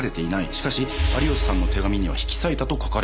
しかし有吉さんの手紙には引き裂いたと書かれていた。